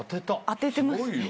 当ててますね。